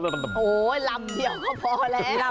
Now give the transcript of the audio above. โอ้โหลำเดียวก็พอแล้ว